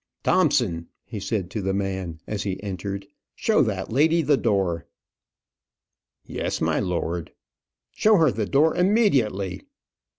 "Thompson," he said to the man, as he entered, "show that lady the door." "Yes, my lord." "Show her the door immediately."